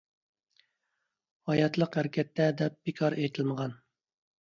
«ھاياتلىق ھەرىكەتتە» دەپ بىكار ئېيتىلمىغان.